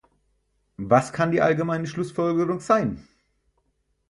Was kann die allgemeine Schlussfolgerung sein?